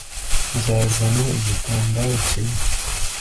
nzazana igitambaro kimwe